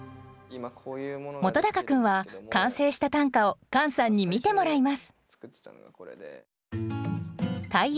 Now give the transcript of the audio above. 本君は完成した短歌をカンさんに見てもらいます